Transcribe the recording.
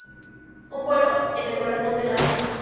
Un pueblo en el corazón del Atlas.